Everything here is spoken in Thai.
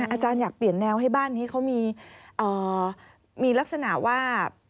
อาจารย์อยากเปลี่ยนแนวให้บ้านนี้เขามีลักษณะว่า